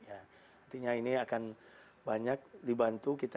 artinya ini akan banyak dibantu kita